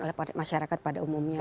oleh masyarakat pada umumnya